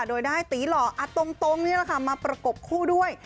โดยได้ตีหล่อตรงนี่แหละค่ะมาประกบคู่ด้วย